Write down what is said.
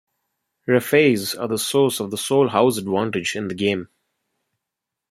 Refaits are the source of the sole house advantage in the game.